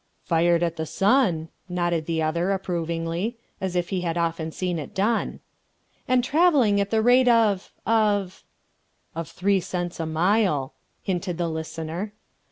"Fired at the sun," nodded the other, approvingly, as if he had often seen it done. "And travelling at the rate of ... of...." "Of three cents a mile," hinted the listener.